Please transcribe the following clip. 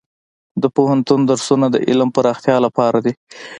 د پوهنتون درسونه د علم پراختیا لپاره دي.